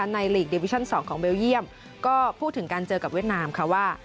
ลีกดิวิชั่น๒ของเบลเยี่ยมก็พูดถึงการเจอกับเวียดนามค่ะว่า